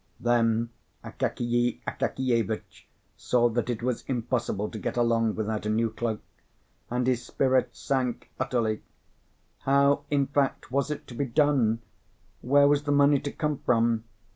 Then Akakiy Akakievitch saw that it was impossible to get along without a new cloak, and his spirit sank utterly. How, in fact, was it to be done? Where was the money to come from?